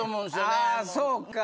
あそうか。